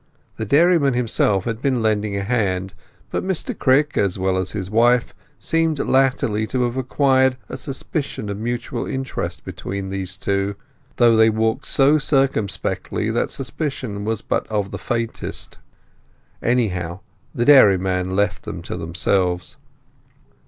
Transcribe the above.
The dairyman himself had been lending a hand; but Mr Crick, as well as his wife, seemed latterly to have acquired a suspicion of mutual interest between these two; though they walked so circumspectly that suspicion was but of the faintest. Anyhow, the dairyman left them to themselves.